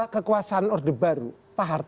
kekuasaan orde baru pak harto